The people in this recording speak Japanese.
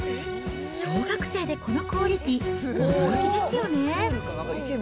小学生でこのクオリティ、驚きですよね。